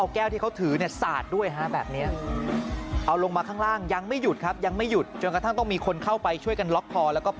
เกิดต่อยคุณเมนเข้าไปช่วยกันล็อคพอ